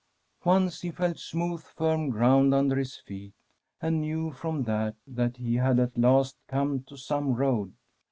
Once he felt smooth, firm ground under his feet, and knew from that, that he had at last come to some road.